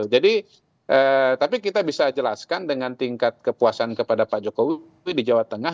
jadi tapi kita bisa jelaskan dengan tingkat kepuasan kepada pak jokowi di jawa tengah